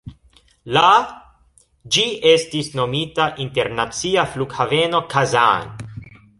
La ĝi estis nomita Internacia flughaveno Kazan.